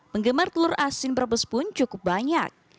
penggemar telur asin brebes pun cukup banyak